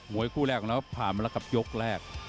มวยคู่แรกแล้วผ่านมาแล้วกับยกแรก